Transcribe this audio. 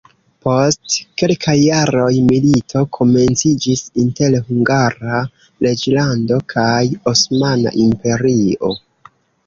Post kelkaj jaroj milito komenciĝis inter Hungara reĝlando kaj Osmana Imperio.